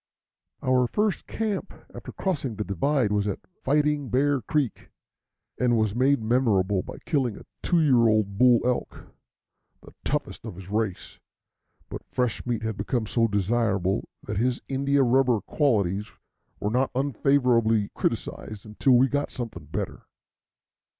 Our first camp after crossing the divide was at Fighting Bear Creek, and was made memorable by killing a two year old bull elk, the toughest of his race; but fresh meat had become so desirable that his india rubber qualities were not unfavorably criticized until we got something better.